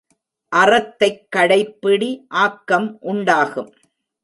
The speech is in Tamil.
அறத்தைக் கடைப்பிடி ஆக்கம் உண்டாகும்.